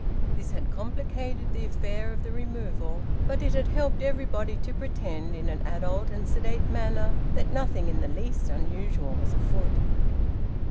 This had complicated the affair of the removal; but it had helped everybody to pretend, in an adult and sedate manner, that nothing in the least unusual was afoot.